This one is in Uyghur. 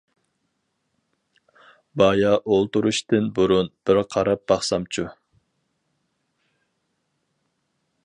بايا ئولتۇرۇشتىن بۇرۇن بىر قاراپ باقسامچۇ؟ .